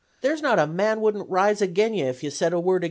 There's not a man wouldn't rise agin ye if you said a word agin them.